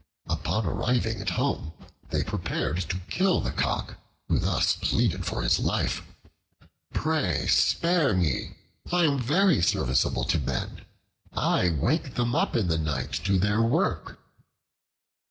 Upon arriving at home they prepared to kill the Cock, who thus pleaded for his life: "Pray spare me; I am very serviceable to men. I wake them up in the night to their work."